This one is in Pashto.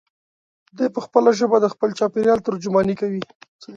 دی په خپله ژبه د خپل چاپېریال ترجماني کوي.